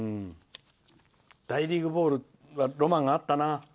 大リーグボールはロマンがあったな。